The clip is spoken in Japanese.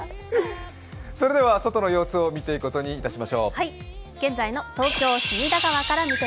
外の様子を見ていくことにいたしましょう。